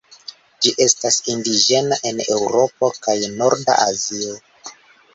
Ĝi estas indiĝena en Eŭropo kaj norda Azio.